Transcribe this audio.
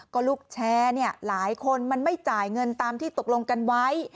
ก็ลูกแชร์เนี่ยหลายคนมันไม่จ่ายเงินตามที่ตกลงกันไว้